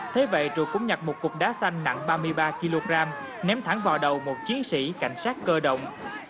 thế vậy trụ cũng nhặt một cục đá xanh nặng ba mươi ba kg ném thẳng vào đầu một chiến sĩ cảnh sát cơ động